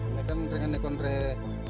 ini kan dengan rekomendasi